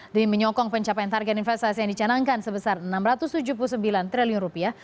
demi menyokong pencapaian target investasi yang dicanangkan sebesar enam ratus tujuh puluh sembilan triliun rupiah